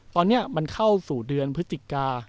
ตอนนี้มันเข้าสู่เดือนพฤศจิกา